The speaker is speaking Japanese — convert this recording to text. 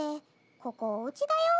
ここおうちだよ？